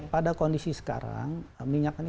pada kondisi sekarang minyak ini